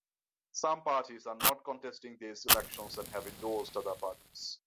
Some parties are not contesting these elections and have endorsed other parties.